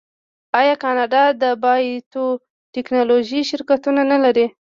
آیا کاناډا د بایو ټیکنالوژۍ شرکتونه نلري؟